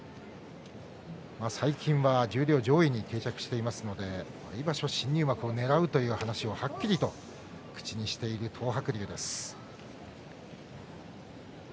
最近は十両上位に定着していますので来場所新入幕をねらうという話をはっきりと口にしている東白龍です。